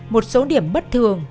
một số điểm bất thường